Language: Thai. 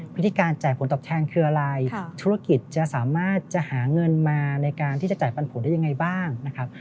วิธีการจ่ายผลตอบแทนคืออะไรธุรกิจจะสามารถจะหาเงินมาในการที่จะจ่ายปันผลได้ยังไงบ้างนะครับ